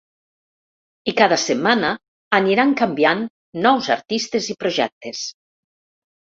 I cada setmana aniran canviant nous artistes i projectes.